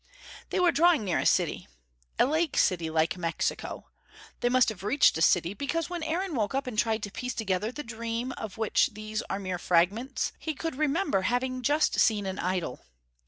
They were drawing near a city. A lake city, like Mexico. They must have reached a city, because when Aaron woke up and tried to piece together the dream of which these are mere fragments, he could remember having just seen an idol.